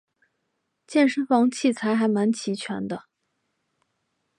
健身房器材还蛮齐全的